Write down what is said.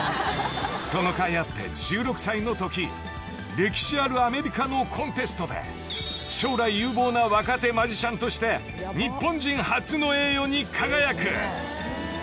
歴史あるアメリカのコンテストで将来有望な若手マジシャンとして日本人初の栄誉に輝く］